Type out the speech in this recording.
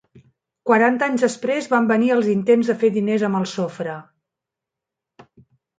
Quaranta anys després van venir els intents de fer diners amb el sofre.